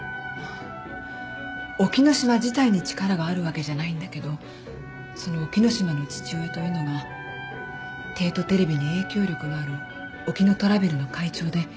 沖野島自体に力があるわけじゃないんだけどその沖野島の父親というのが帝都テレビに影響力のあるオキノトラベルの会長で。